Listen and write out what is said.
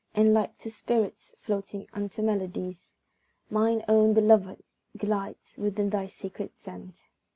And like to spirits floating unto melodies, Mine own, Belovèd! glides within thy sacred scent.